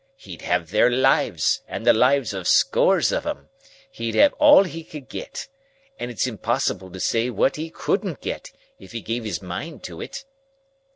He'd have their lives, and the lives of scores of 'em. He'd have all he could get. And it's impossible to say what he couldn't get, if he gave his mind to it."